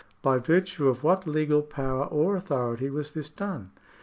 By virtue of what legal power or authority was this done